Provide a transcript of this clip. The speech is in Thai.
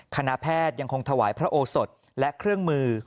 คณะแพทย์ยังคงถวายพระโอสดและเครื่องมือ